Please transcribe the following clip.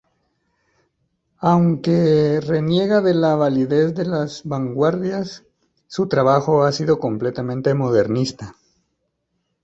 Aunque reniega de la validez de las vanguardias, su trabajo ha sido completamente modernista.